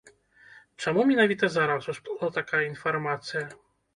Чаму менавіта зараз усплыла такая інфармацыя?